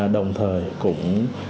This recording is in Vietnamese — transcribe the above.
đồng thời cũng